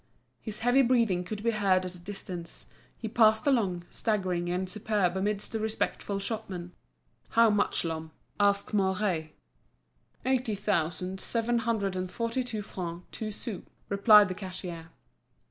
His heavy breathing could be heard at a distance, he passed along, staggering and superb, amidst the respectful shopmen. "How much, Lhomme?" asked Mouret. "Eighty thousand seven hundred and forty two francs two sous," replied the cashier.